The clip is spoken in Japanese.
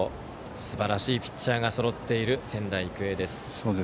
すばらしいピッチャーがそろっている仙台育英です。